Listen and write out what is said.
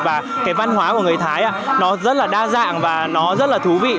và cái văn hóa của người thái nó rất là đa dạng và nó rất là thú vị